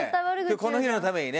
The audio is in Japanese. この日のためにね